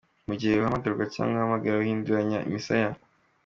Mu gihe uhamagarwa cyangwa uhamagara hindurunya imisaya.